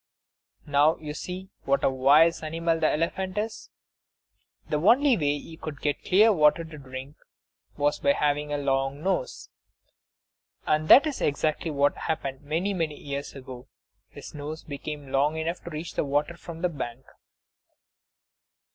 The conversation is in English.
Now you see what a wise animal the elephant is! The only way he could get clear water to drink was by having a long nose! And that is exactly what happened many, many years ago his nose became long enough to reach the water from the bank.